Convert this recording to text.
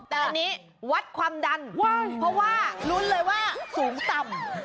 แต่วัดความดันเพราะว่าหลุนเลยว่าสูงต่ำ